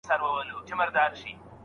کوم مواد اړین دي؟